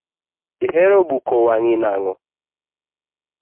Ihero buko wangi nango?